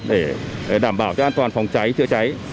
để đảm bảo an toàn phòng cháy chữa cháy